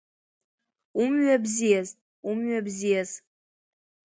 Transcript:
Умҩа бзиаз, умҩа бзиаз!